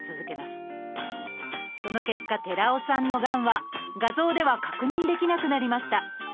その結果寺尾さんのがんは画像では確認できなくなりました。